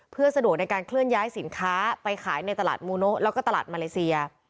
เพื่อสะดวกในการเคลื่อนย้ายสินค้าไปขายในตลาดมูโนะแล้วก็ตลาดมาเลเซีย